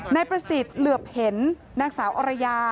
นายประสิทธิ์เหลือบเห็นนางสาวอรยา